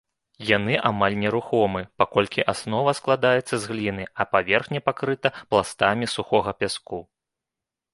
Яны амаль нерухомы, паколькі аснова складаецца з гліны, а паверхня пакрыта пластамі сухога пяску.